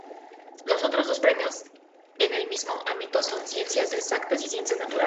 Los otros dos premios en el mismo ámbito son: Ciencias Exactas y Ciencias Naturales.